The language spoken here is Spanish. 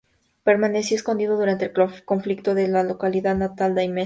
Permaneció escondido durante el conflicto en su localidad natal, Daimiel.